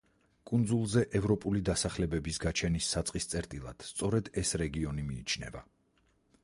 კუნძულზე ევროპული დასახლებების გაჩენის საწყის წერტილად სწორედ ეს რეგიონი მიიჩნევა.